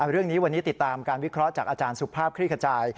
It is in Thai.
เรื่องนี้วันนี้ติดตามการวิเคราะห์จากอาจารย์สุภาพคลี่ขจาย